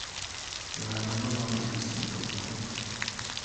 jyana n’ abandi gusenga muko ,